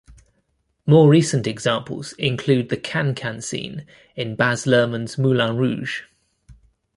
More recent examples include the Can-can scene in Baz Luhrmann's Moulin Rouge!